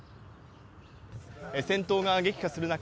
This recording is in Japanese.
戦闘が激化する中